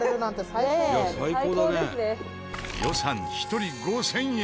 予算１人５０００円。